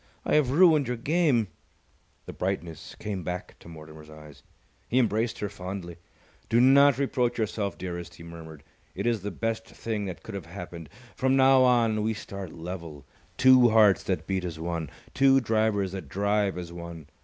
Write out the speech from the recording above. I have ruined your game!" The brightness came back to Mortimer's eyes. He embraced her fondly. "Do not reproach yourself, dearest," he murmured. "It is the best thing that could have happened. From now on, we start level, two hearts that beat as one, two drivers that drive as one.